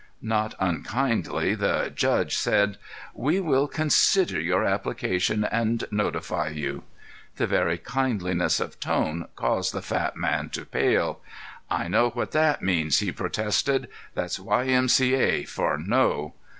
Not unkindly the "judge" said: "We will consider your application and notify you." This very kindliness of tone caused the fat man to pale. "I know what that means," he protested. "That's Y. M. C. A. for 'no.